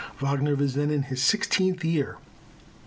Wagner was then in his sixteenth year.